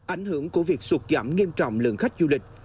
ảnh hưởng của việc sụt giảm nghiêm trọng lượng khách du lịch